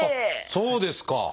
そうですか！